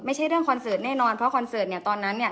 ไม่ใช่เรื่องคอนเสิร์ตแน่นอนเพราะคอนเสิร์ตเนี่ยตอนนั้นเนี่ย